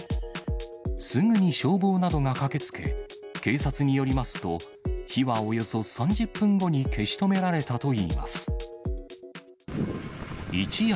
すぐに消防などが駆けつけ、警察によりますと、火はおよそ３０分後に消し止められたといいます。